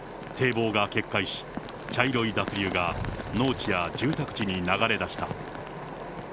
堤防が決壊し、茶色い濁流が農地や住宅地に流れ出した。